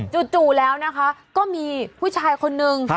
จู่แล้วนะคะก็มีผู้ชายคนนึง